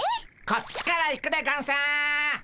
こっちから行くでゴンス！